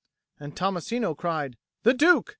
And Tommasino cried, "The Duke!